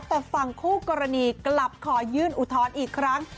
แต่ฝั่งคู่กรณีกลับขอยื่นอุทธรณ์อีกครั้ง